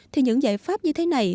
thì những giải pháp như thế này